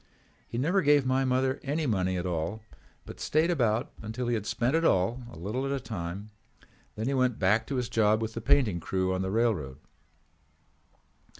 He never gave my mother any money at all but stayed about until he had spent it all, a little at a time. Then he went back to his job with the painting crew on the railroad.